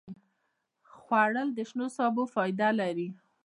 خوړل د شنو سبو فایده لري